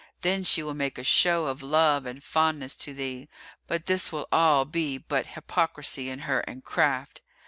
Then will she make a show of love and fondness to thee; but this will all be but hypocrisy in her and craft.